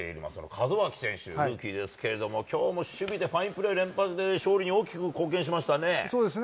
門脇選手、ルーキーですけれども、きょうも守備でファインプレー連発で、勝利に大きく貢そうですね。